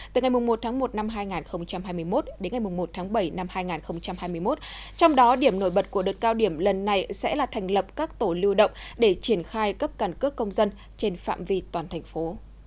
từ ngày một tháng một năm hai nghìn hai mươi một đến ngày một tháng bảy năm hai nghìn hai mươi một trong đó điểm nổi bật của đợt cao điểm lần này sẽ là thành lập các tổ lưu động để triển khai cấp càn cước công dân trên phạm vi toàn thành phố